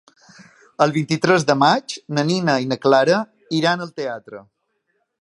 El vint-i-tres de maig na Nina i na Clara iran al teatre.